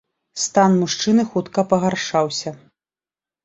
Стан мужчыны хутка пагаршаўся.